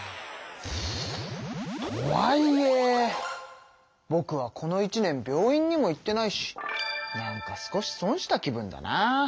とはいえぼくはこの一年病院にも行ってないしなんか少し損した気分だなあ。